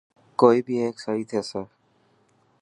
ڪوئي بي هيڪ سهي ٿيسي.